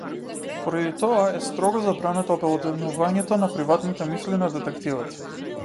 Поради тоа е строго забрането обелоденувањето на приватните мисли на детективот.